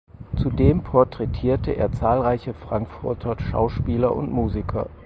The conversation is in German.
Zudem porträtierte er zahlreiche Frankfurter Schauspieler und Musiker.